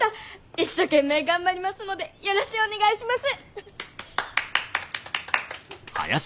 一生懸命頑張りますのでよろしゅうお願いします！